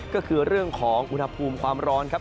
ก็คือเรื่องของอุณหภูมิความร้อนครับ